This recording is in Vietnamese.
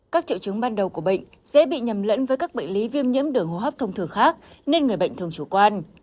các triệu chứng ban đầu của bệnh dễ bị nhầm lẫn với các bệnh lý viêm nhiễm đường hô hấp thông thường khác nên người bệnh thường chủ quan